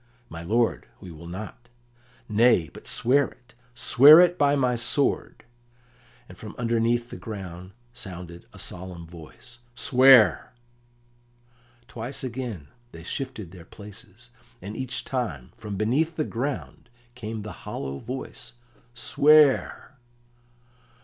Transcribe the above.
"My lord, we will not." "Nay, but swear it; swear by my sword." And from underneath the ground sounded a solemn voice, "Swear!" Twice again they shifted their places, and each time from beneath the ground came the hollow voice, "Swear!"